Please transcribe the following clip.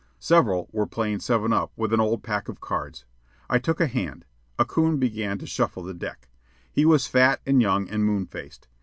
Several were playing seven up with an old pack of cards. I took a hand. A coon began to shuffle the deck. He was fat, and young, and moon faced.